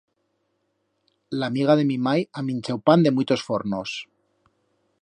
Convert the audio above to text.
L'amiga de mi mai ha minchau pan de muitos fornos.